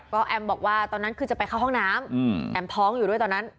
ก็แอมบอกว่าตอนนั้นคือจะไปเข้าห้องน้ำแอมท้องอยู่ด้วยตอนนั้น